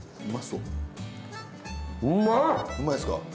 うまいですか。